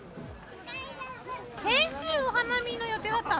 先週、お花見の予定だった。